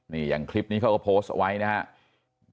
นี่อย่างคลิปนี้เขาก็โพสต์เอาไว้นะครับ